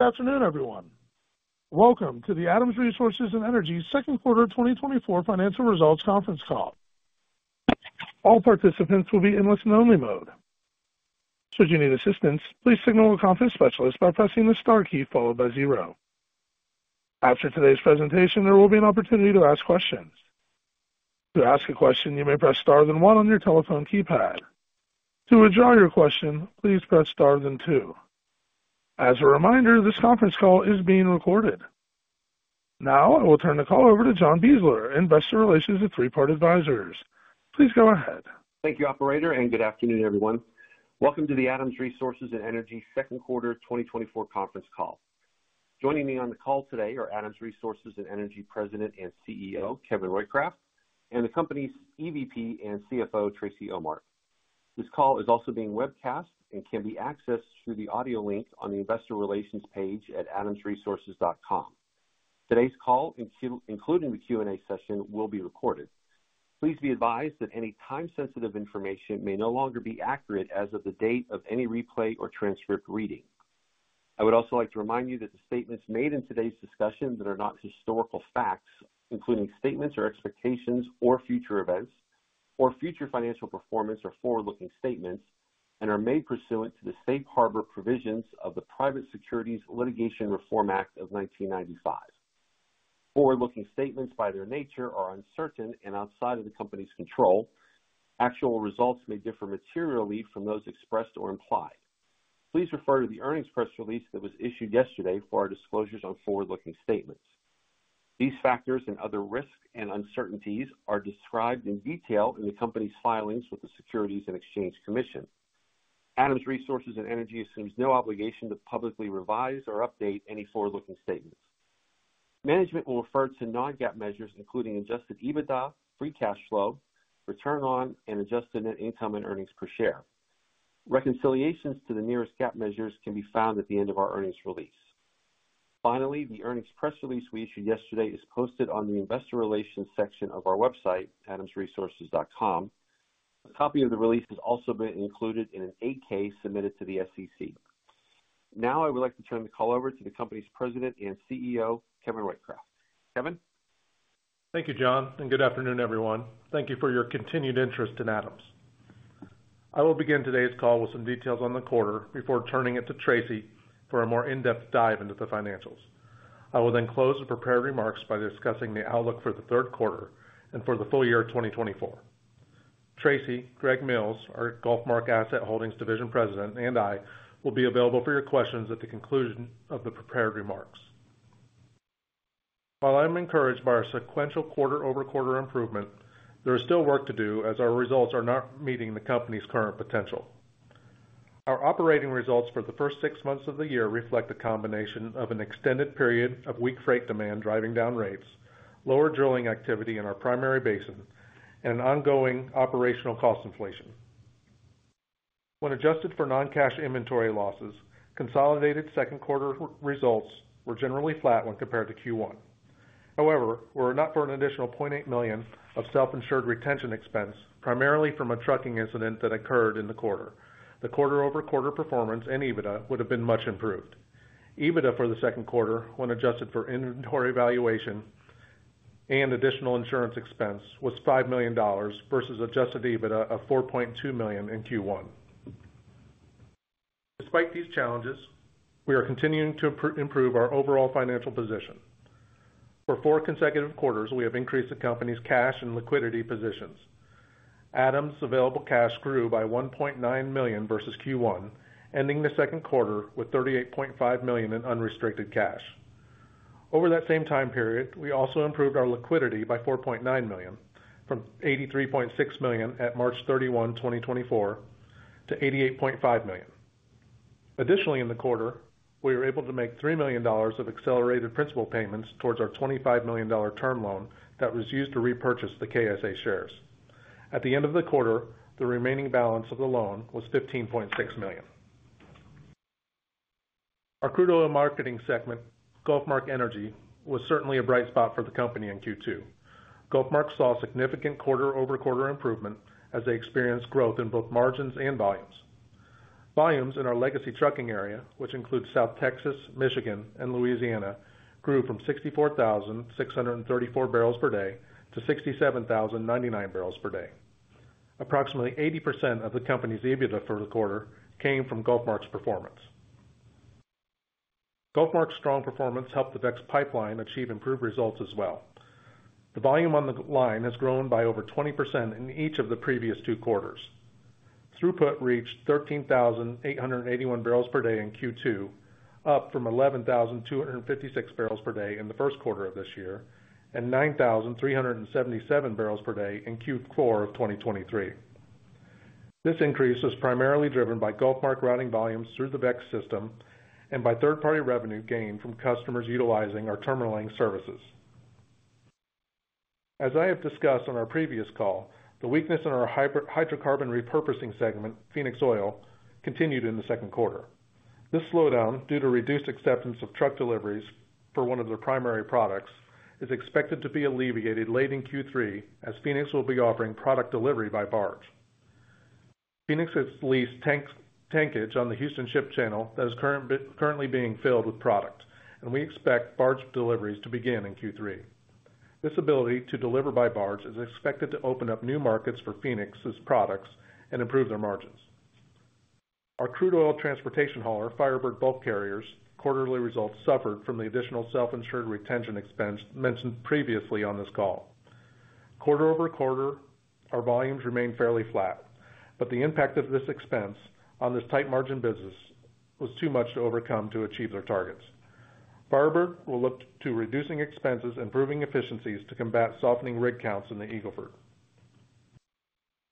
Good afternoon, everyone. Welcome to the Adams Resources & Energy second quarter 2024 financial results conference call. All participants will be in listen only mode. Should you need assistance, please signal a conference specialist by pressing the star key followed by zero. After today's presentation, there will be an opportunity to ask questions. To ask a question, you may press Star then one on your telephone keypad. To withdraw your question, please press Star then two. As a reminder, this conference call is being recorded. Now, I will turn the call over to John Beisler, investor relations at Three Part Advisors. Please go ahead. Thank you, operator, and good afternoon, everyone. Welcome to the Adams Resources & Energy second quarter 2024 conference call. Joining me on the call today are Adams Resources & Energy President and CEO, Kevin Roycraft, and the company's EVP and CFO, Tracy Ohmart. This call is also being webcast and can be accessed through the audio link on the investor relations page at adamsresources.com. Today's call, including the Q&A session, will be recorded. Please be advised that any time-sensitive information may no longer be accurate as of the date of any replay or transcript reading. I would also like to remind you that the statements made in today's discussion that are not historical facts, including statements or expectations or future events or future financial performance, are forward-looking statements and are made pursuant to the safe harbor provisions of the Private Securities Litigation Reform Act of 1995. Forward-looking statements, by their nature, are uncertain and outside of the company's control. Actual results may differ materially from those expressed or implied. Please refer to the earnings press release that was issued yesterday for our disclosures on forward-looking statements. These factors and other risks and uncertainties are described in detail in the company's filings with the Securities and Exchange Commission. Adams Resources & Energy assumes no obligation to publicly revise or update any forward-looking statements. Management will refer to non-GAAP measures, including adjusted EBITDA, free cash flow, return on and adjusted net income and earnings per share. Reconciliations to the nearest GAAP measures can be found at the end of our earnings release. Finally, the earnings press release we issued yesterday is posted on the investor relations section of our website, adamsresources.com. A copy of the release has also been included in an 8-K submitted to the SEC. Now, I would like to turn the call over to the company's President and CEO, Kevin Roycraft. Kevin? Thank you, John, and good afternoon, everyone. Thank you for your continued interest in Adams. I will begin today's call with some details on the quarter before turning it to Tracy for a more in-depth dive into the financials. I will then close the prepared remarks by discussing the outlook for the third quarter and for the full year 2024. Tracy, Greg Mills, our GulfMark Asset Holdings Division President, and I will be available for your questions at the conclusion of the prepared remarks. While I'm encouraged by our sequential quarter-over-quarter improvement, there is still work to do as our results are not meeting the company's current potential. Our operating results for the first six months of the year reflect a combination of an extended period of weak freight demand, driving down rates, lower drilling activity in our primary basin, and an ongoing operational cost inflation. When adjusted for non-cash inventory losses, consolidated second quarter results were generally flat when compared to Q1. However, were it not for an additional $0.8 million of self-insured retention expense, primarily from a trucking incident that occurred in the quarter, the quarter-over-quarter performance and EBITDA would have been much improved. EBITDA for the second quarter, when adjusted for inventory valuation and additional insurance expense, was $5 million versus adjusted EBITDA of $4.2 million in Q1. Despite these challenges, we are continuing to improve our overall financial position. For four consecutive quarters, we have increased the company's cash and liquidity positions. Adams' available cash grew by $1.9 million versus Q1, ending the second quarter with $38.5 million in unrestricted cash. Over that same time period, we also improved our liquidity by $4.9 million, from $83.6 million at March 31, 2024, to $88.5 million. Additionally, in the quarter, we were able to make $3 million of accelerated principal payments towards our $25 million term loan that was used to repurchase the KSA shares. At the end of the quarter, the remaining balance of the loan was $15.6 million. Our crude oil marketing segment, GulfMark Energy, was certainly a bright spot for the company in Q2. GulfMark saw significant quarter-over-quarter improvement as they experienced growth in both margins and volumes. Volumes in our legacy trucking area, which includes South Texas, Michigan, and Louisiana, grew from 64,634 barrels per day to 67,099 barrels per day. Approximately 80% of the company's EBITDA for the quarter came from GulfMark's performance. GulfMark's strong performance helped the VEX Pipeline achieve improved results as well. The volume on the line has grown by over 20% in each of the previous two quarters. Throughput reached 13,881 barrels per day in Q2, up from 11,256 barrels per day in the first quarter of this year, and 9,377 barrels per day in Q4 of 2023. This increase was primarily driven by GulfMark routing volumes through the VEX system and by third-party revenue gained from customers utilizing our terminaling services. As I have discussed on our previous call, the weakness in our hydrocarbon repurposing segment, Phoenix Oil, continued in the second quarter. This slowdown, due to reduced acceptance of truck deliveries for one of their primary products, is expected to be alleviated late in Q3 as Phoenix will be offering product delivery by barge. Phoenix has leased tankage on the Houston Ship Channel that is currently being filled with product, and we expect barge deliveries to begin in Q3. This ability to deliver by barge is expected to open up new markets for Phoenix's products and improve their margins. Our crude oil transportation hauler, Firebird Bulk Carriers, quarterly results suffered from the additional self-insured retention expense mentioned previously on this call. Quarter-over-quarter, our volumes remained fairly flat, but the impact of this expense on this tight margin business was too much to overcome to achieve their targets. Firebird will look to reducing expenses and improving efficiencies to combat softening rig counts in the Eagle Ford.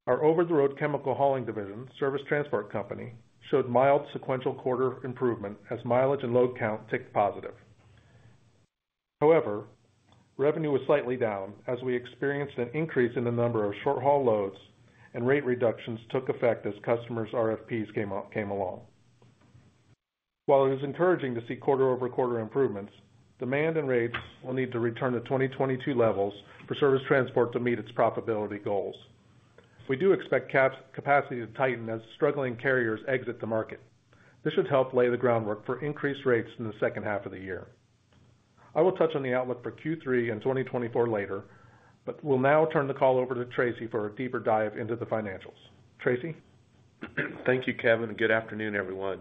Our over-the-road chemical hauling division, Service Transport Company, showed mild sequential quarter improvement as mileage and load count ticked positive. However, revenue was slightly down as we experienced an increase in the number of short-haul loads and rate reductions took effect as customers' RFPs came along. While it is encouraging to see quarter-over-quarter improvements, demand and rates will need to return to 2022 levels for Service Transport to meet its profitability goals. We do expect capacity to tighten as struggling carriers exit the market. This should help lay the groundwork for increased rates in the second half of the year. I will touch on the outlook for Q3 and 2024 later, but we'll now turn the call over to Tracy for a deeper dive into the financials. Tracy? Thank you, Kevin, and good afternoon, everyone.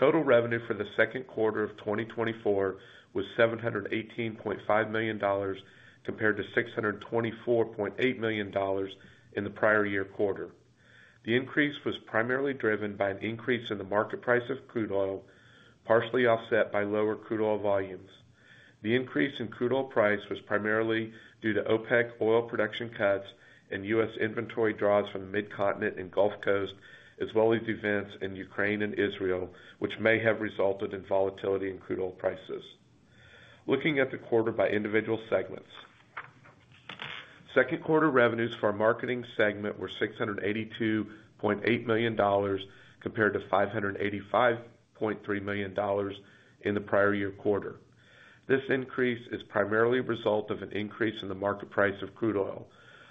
Total revenue for the second quarter of 2024 was $718.5 million, compared to $624.8 million in the prior year quarter. The increase was primarily driven by an increase in the market price of crude oil, partially offset by lower crude oil volumes. The increase in crude oil price was primarily due to OPEC oil production cuts and U.S. inventory draws from the Mid-Continent and Gulf Coast, as well as events in Ukraine and Israel, which may have resulted in volatility in crude oil prices. Looking at the quarter by individual segments. Second quarter revenues for our marketing segment were $682.8 million, compared to $585.3 million in the prior year quarter. This increase is primarily a result of an increase in the market price of crude oil.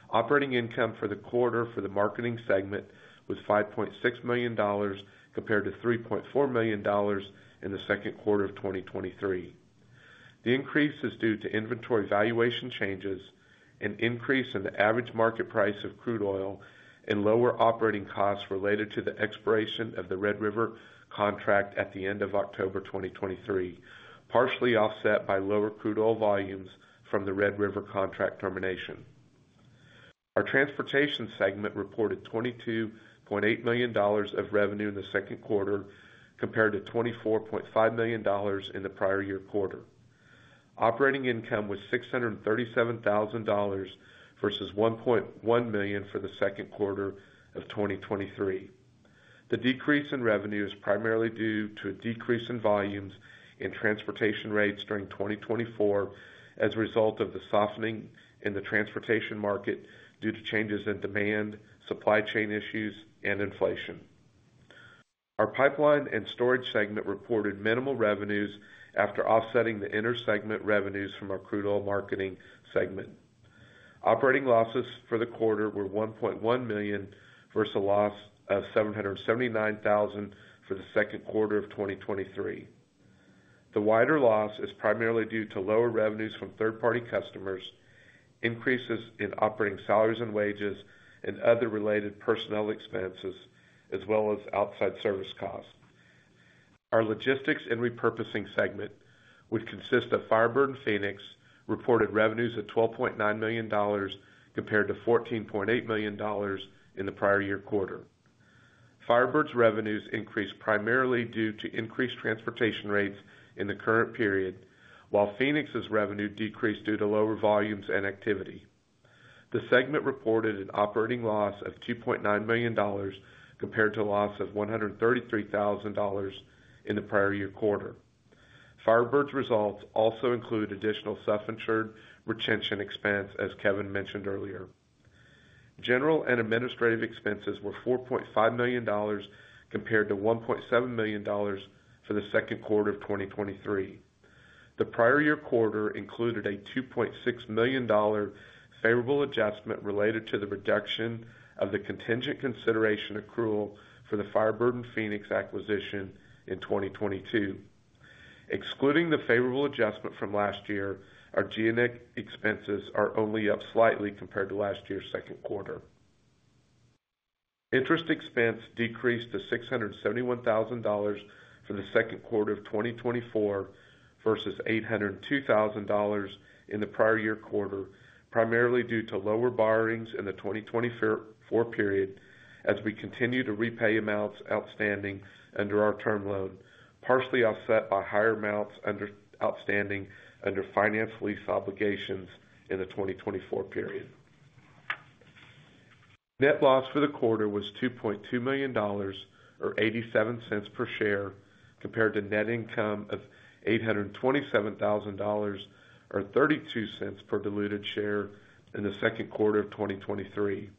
Operating income for the quarter for the marketing segment was $5.6 million, compared to $3.4 million in the second quarter of 2023. The increase is due to inventory valuation changes, an increase in the average market price of crude oil, and lower operating costs related to the expiration of the Red River Contract at the end of October 2023, partially offset by lower crude oil volumes from the Red River Contract termination. Our transportation segment reported $22.8 million of revenue in the second quarter, compared to $24.5 million in the prior year quarter. Operating income was $637,000 versus $1.1 million for the second quarter of 2023. The decrease in revenue is primarily due to a decrease in volumes and transportation rates during 2024 as a result of the softening in the transportation market due to changes in demand, supply chain issues, and inflation. Our pipeline and storage segment reported minimal revenues after offsetting the intersegment revenues from our crude oil marketing segment. Operating losses for the quarter were $1.1 million versus a loss of $779,000 for the second quarter of 2023. The wider loss is primarily due to lower revenues from third-party customers, increases in operating salaries and wages, and other related personnel expenses, as well as outside service costs. Our logistics and repurposing segment, which consists of Firebird and Phoenix, reported revenues of $12.9 million, compared to $14.8 million in the prior year quarter. Firebird's revenues increased primarily due to increased transportation rates in the current period, while Phoenix's revenue decreased due to lower volumes and activity. The segment reported an operating loss of $2.9 million, compared to a loss of $133,000 in the prior year quarter. Firebird's results also include additional self-insured retention expense, as Kevin mentioned earlier. General and administrative expenses were $4.5 million, compared to $1.7 million for the second quarter of 2023. The prior year quarter included a $2.6 million favorable adjustment related to the reduction of the contingent consideration accrual for the Firebird and Phoenix acquisition in 2022. Excluding the favorable adjustment from last year, our G&A expenses are only up slightly compared to last year's second quarter. Interest expense decreased to $671,000 for the second quarter of 2024 versus $802,000 in the prior year quarter, primarily due to lower borrowings in the 2024 period as we continue to repay amounts outstanding under our term loan, partially offset by higher amounts outstanding under finance lease obligations in the 2024 period. Net loss for the quarter was $2.2 million, or $0.87 per share, compared to net income of $827,000, or $0.32 per diluted share in the second quarter of 2023.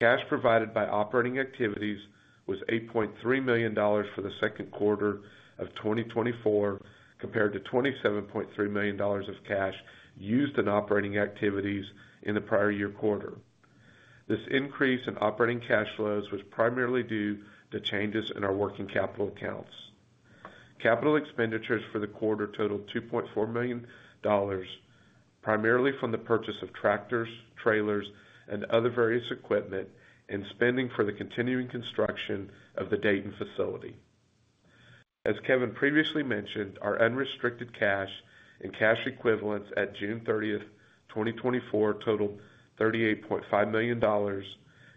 Cash provided by operating activities was $8.3 million for the second quarter of 2024, compared to $27.3 million of cash used in operating activities in the prior year quarter. This increase in operating cash flows was primarily due to changes in our working capital accounts. Capital expenditures for the quarter totaled $2.4 million, primarily from the purchase of tractors, trailers, and other various equipment, and spending for the continuing construction of the Dayton facility. As Kevin previously mentioned, our unrestricted cash and cash equivalents at June 30, 2024, totaled $38.5 million,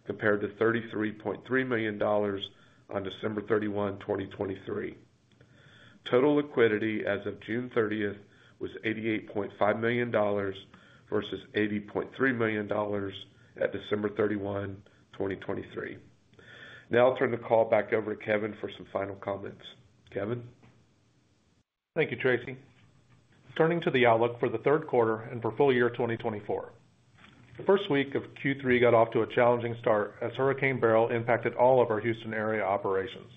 compared to $33.3 million on December 31, 2023. Total liquidity as of June 30 was $88.5 million, versus $80.3 million at December 31, 2023. Now I'll turn the call back over to Kevin for some final comments. Kevin? Thank you, Tracy. Turning to the outlook for the third quarter and for full year 2024. The first week of Q3 got off to a challenging start as Hurricane Beryl impacted all of our Houston area operations.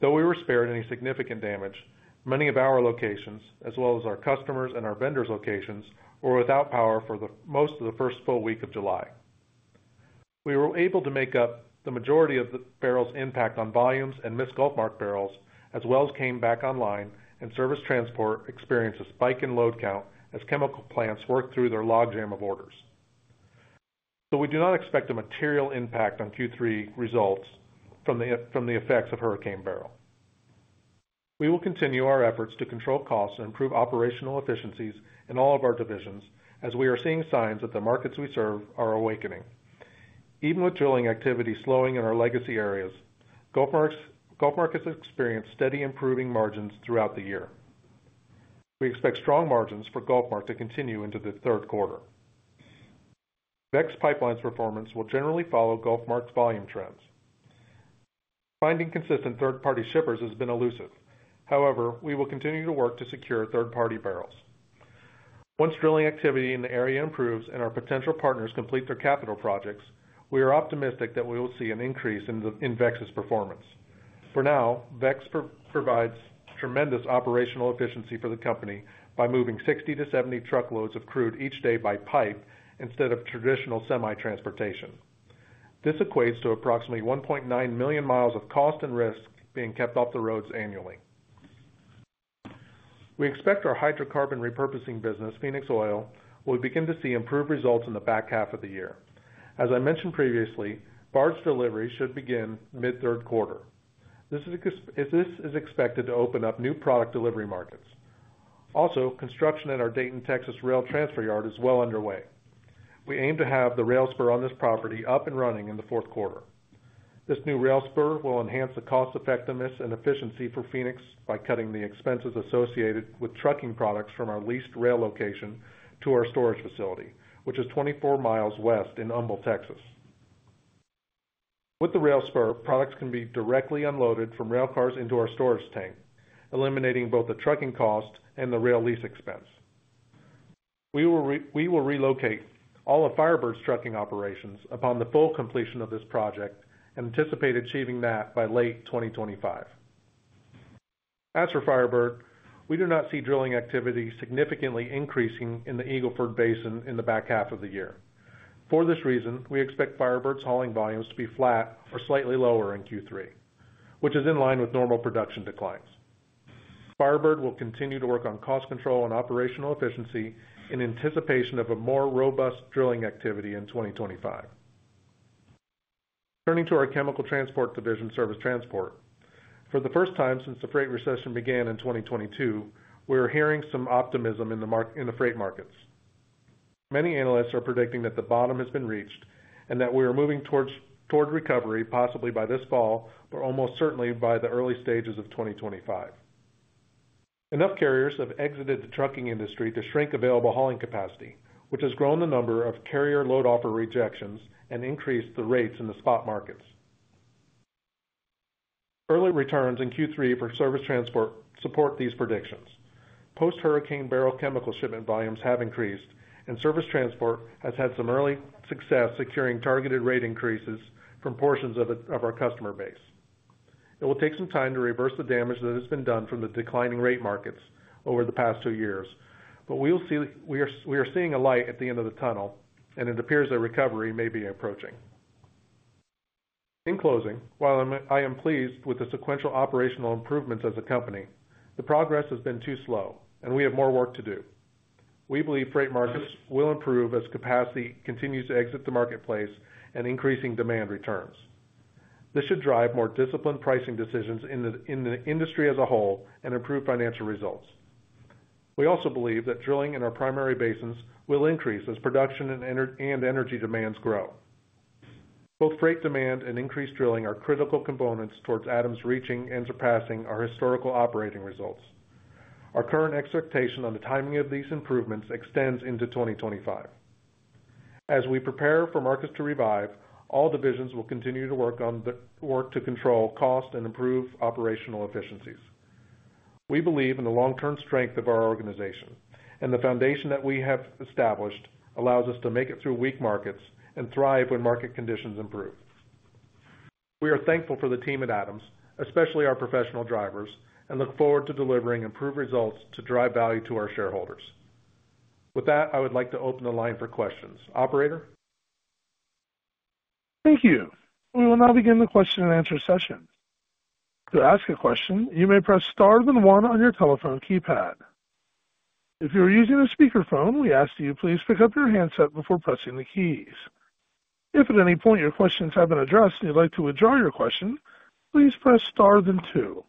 Though we were spared any significant damage, many of our locations, as well as our customers and our vendors' locations, were without power for the most of the first full week of July. We were able to make up the majority of the Beryl's impact on volumes and missed GulfMark barrels as wells came back online and Service Transport experienced a spike in load count as chemical plants worked through their logjam of orders. So we do not expect a material impact on Q3 results from the effects of Hurricane Beryl. We will continue our efforts to control costs and improve operational efficiencies in all of our divisions as we are seeing signs that the markets we serve are awakening. Even with drilling activity slowing in our legacy areas, GulfMark has experienced steady improving margins throughout the year. We expect strong margins for GulfMark to continue into the third quarter. VEX Pipeline's performance will generally follow GulfMark's volume trends. Finding consistent third-party shippers has been elusive. However, we will continue to work to secure third-party barrels. Once drilling activity in the area improves and our potential partners complete their capital projects, we are optimistic that we will see an increase in VEX's performance. For now, VEX provides tremendous operational efficiency for the company by moving 60-70 truckloads of crude each day by pipe instead of traditional semi transportation. This equates to approximately 1.9 million miles of cost and risk being kept off the roads annually. We expect our hydrocarbon repurposing business, Phoenix Oil, will begin to see improved results in the back half of the year. As I mentioned previously, barge delivery should begin mid-third quarter. This is expected to open up new product delivery markets. Also, construction at our Dayton, Texas, rail transfer yard is well underway. We aim to have the rail spur on this property up and running in the fourth quarter. This new rail spur will enhance the cost effectiveness and efficiency for Phoenix by cutting the expenses associated with trucking products from our leased rail location to our storage facility, which is 24 miles west in Humble, Texas. With the rail spur, products can be directly unloaded from rail cars into our storage tank, eliminating both the trucking cost and the rail lease expense. We will relocate all of Firebird's trucking operations upon the full completion of this project and anticipate achieving that by late 2025. As for Firebird, we do not see drilling activity significantly increasing in the Eagle Ford basin in the back half of the year. For this reason, we expect Firebird's hauling volumes to be flat or slightly lower in Q3, which is in line with normal production declines. Firebird will continue to work on cost control and operational efficiency in anticipation of a more robust drilling activity in 2025. Turning to our chemical transport division, Service Transport. For the first time since the freight recession began in 2022, we are hearing some optimism in the market in the freight markets. Many analysts are predicting that the bottom has been reached and that we are moving towards recovery, possibly by this fall, but almost certainly by the early stages of 2025. Enough carriers have exited the trucking industry to shrink available hauling capacity, which has grown the number of carrier load offer rejections and increased the rates in the spot markets. Early returns in Q3 for Service Transport support these predictions. Post-Hurricane Beryl, chemical shipment volumes have increased, and Service Transport has had some early success securing targeted rate increases from portions of our customer base. It will take some time to reverse the damage that has been done from the declining rate markets over the past two years, but we will see, we are, we are seeing a light at the end of the tunnel, and it appears that recovery may be approaching. In closing, while I'm, I am pleased with the sequential operational improvements as a company, the progress has been too slow, and we have more work to do. We believe freight markets will improve as capacity continues to exit the marketplace and increasing demand returns. This should drive more disciplined pricing decisions in the industry as a whole and improve financial results. We also believe that drilling in our primary basins will increase as production and energy demands grow. Both freight demand and increased drilling are critical components towards Adams's reaching and surpassing our historical operating results. Our current expectation on the timing of these improvements extends into 2025. As we prepare for markets to revive, all divisions will continue to work to control cost and improve operational efficiencies. We believe in the long-term strength of our organization, and the foundation that we have established allows us to make it through weak markets and thrive when market conditions improve. We are thankful for the team at Adams, especially our professional drivers, and look forward to delivering improved results to drive value to our shareholders. With that, I would like to open the line for questions. Operator?... Thank you. We will now begin the question and answer session. To ask a question, you may press star then one on your telephone keypad. If you are using a speakerphone, we ask that you please pick up your handset before pressing the keys. If at any point your questions have been addressed and you'd like to withdraw your question, please press star then two.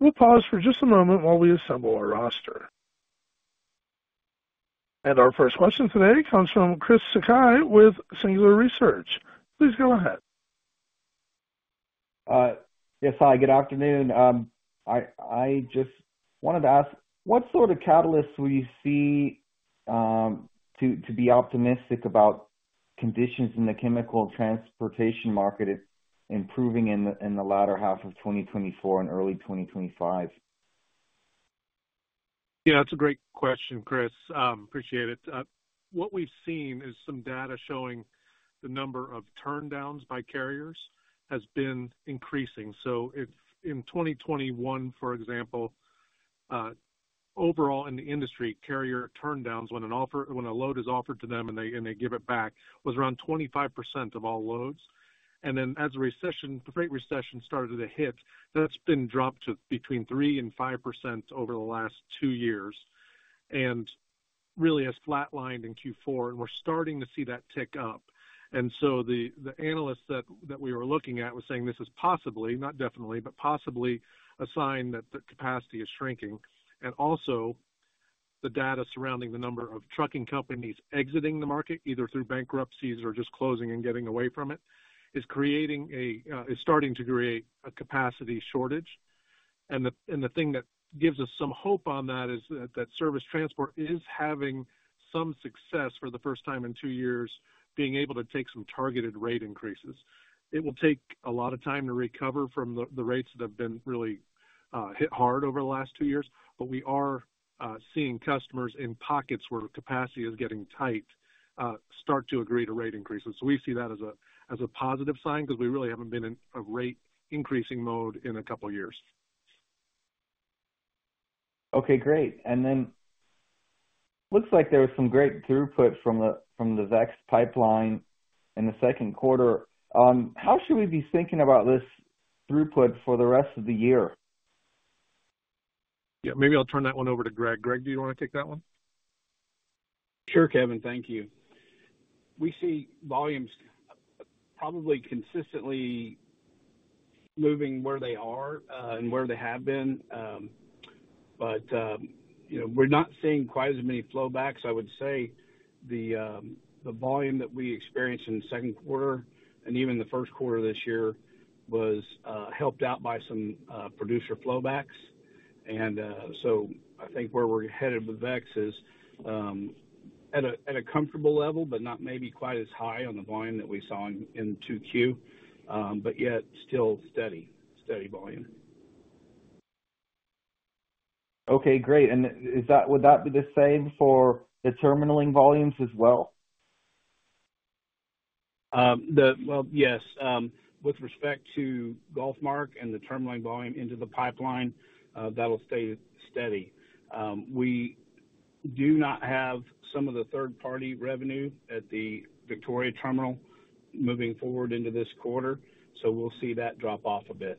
We'll pause for just a moment while we assemble our roster. Our first question today comes from Chris Sakai with Singular Research. Please go ahead. Yes, hi, good afternoon. I just wanted to ask, what sort of catalysts will you see to be optimistic about conditions in the chemical transportation market improving in the latter half of 2024 and early 2025? Yeah, that's a great question, Chris. Appreciate it. What we've seen is some data showing the number of turndowns by carriers has been increasing. So if in 2021, for example, overall in the industry, carrier turndowns, when a load is offered to them and they give it back, was around 25% of all loads. And then as the recession, the freight recession started to hit, that's been dropped to between 3% and 5% over the last two years, and really has flatlined in Q4, and we're starting to see that tick up. And so the analysts that we were looking at were saying this is possibly, not definitely, but possibly a sign that the capacity is shrinking. Also, the data surrounding the number of trucking companies exiting the market, either through bankruptcies or just closing and getting away from it, is starting to create a capacity shortage. The thing that gives us some hope on that is that Service Transport is having some success for the first time in two years, being able to take some targeted rate increases. It will take a lot of time to recover from the rates that have been really hit hard over the last two years, but we are seeing customers in pockets where capacity is getting tight start to agree to rate increases. So we see that as a positive sign, because we really haven't been in a rate increasing mode in a couple of years. Okay, great. And then looks like there was some great throughput from the VEX Pipeline in the second quarter. How should we be thinking about this throughput for the rest of the year? Yeah, maybe I'll turn that one over to Greg. Greg, do you want to take that one? Sure, Kevin. Thank you. We see volumes probably consistently moving where they are, and where they have been. But, you know, we're not seeing quite as many flow backs. I would say the volume that we experienced in the second quarter, and even the first quarter of this year, was helped out by some producer flow backs. So I think where we're headed with VEX is at a comfortable level, but not maybe quite as high on the volume that we saw in 2Q, but yet still steady, steady volume. Okay, great. And would that be the same for the terminalling volumes as well? Well, yes. With respect to GulfMark and the terminalling volume into the pipeline, that'll stay steady. We do not have some of the third-party revenue at the Victoria terminal moving forward into this quarter, so we'll see that drop off a bit.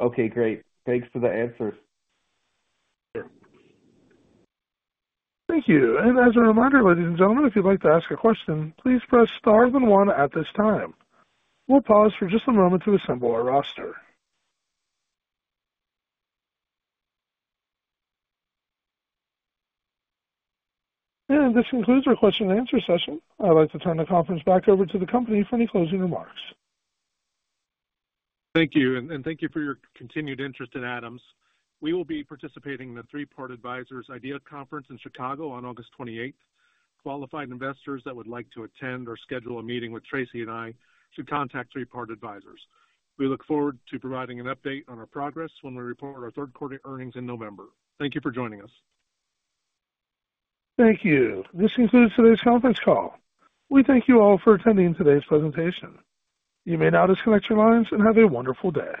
Okay, great. Thanks for the answer. Sure. Thank you. And as a reminder, ladies and gentlemen, if you'd like to ask a question, please press star then one at this time. We'll pause for just a moment to assemble our roster. And this concludes our question and answer session. I'd like to turn the conference back over to the company for any closing remarks. Thank you, and thank you for your continued interest in Adams. We will be participating in the Three Part Advisors IDEAS Conference in Chicago on August 28th. Qualified investors that would like to attend or schedule a meeting with Tracy and I should contact Three Part Advisors. We look forward to providing an update on our progress when we report our third quarter earnings in November. Thank you for joining us. Thank you. This concludes today's conference call. We thank you all for attending today's presentation. You may now disconnect your lines and have a wonderful day.